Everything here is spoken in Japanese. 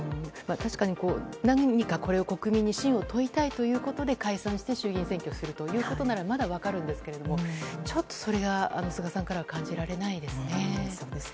確かに、何かこれを国民に信を問いたいということで解散して衆議院選挙するということならまだ分かるんですがちょっとそれが菅さんからは感じられないですね。